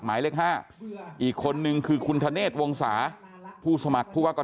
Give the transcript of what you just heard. หลักห้าอีกคนหนึ่งคือคุณธเนธวงศาผู้สมัครพูดว่าก่อโทรโม่